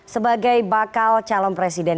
sebagai bakal calon presiden